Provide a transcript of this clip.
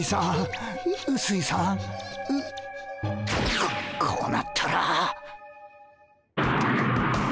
ここうなったら。